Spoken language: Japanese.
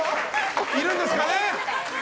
いるんですかね？